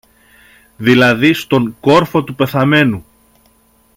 δηλαδή στον κόρφο του πεθαμένου.